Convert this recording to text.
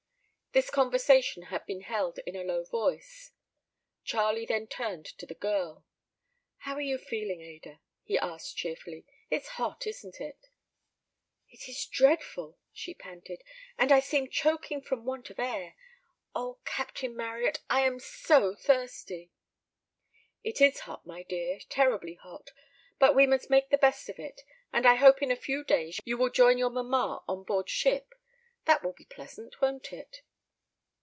This conversation had been held in a low voice. Charlie then turned to the girl. "How are you feeling, Ada?" he asked cheerfully. "It's hot, isn't it?" "It is dreadful," she panted, "and I seem choking from want of air; and oh, Captain Marryat, I am so thirsty!" "It is hot, my dear, terribly hot, but we must make the best of it; and I hope in a few days you will join your mamma on board ship. That will be pleasant, won't it?"